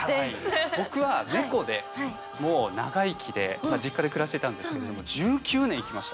僕は猫でもう長生きで実家で暮らしてたんですけれども１９年生きました。